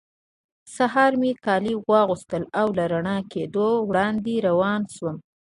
سهار مې کالي واغوستل او له رڼا کېدو وړاندې روان شوم.